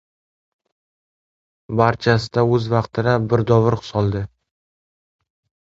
Barchasida o‘z vaqtida bir dovrug‘ soldi.